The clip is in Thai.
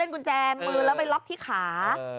กุญแจมือแล้วไปล็อกที่ขา